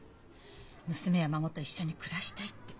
娘や孫と一緒に暮らしたい」って。